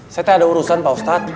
saya tadi ada urusan pak ustadz